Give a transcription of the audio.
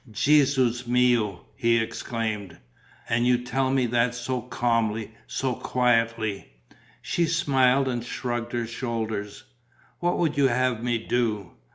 "Gesu mio!" he exclaimed. "And you tell me that so calmly, so quietly!" She smiled and shrugged her shoulders: "What would you have me do?